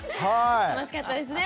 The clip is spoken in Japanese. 楽しかったですね。